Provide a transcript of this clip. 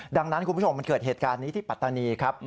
ดังนั้นคุณผู้ชมมันเกิดเหตุการณ์นี้ที่ปัตตานีครับ